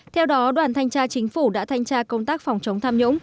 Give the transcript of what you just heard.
theo đó đoàn thanh tra chính phủ đã thanh tra công tác phòng chống tham nhũng